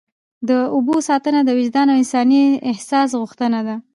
د اوبو ساتنه د وجدان او انساني احساس غوښتنه ده.